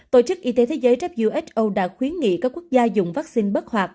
tổ chức y tế thế giới who đã khuyến nghị các quốc gia dùng vaccine bất hoạt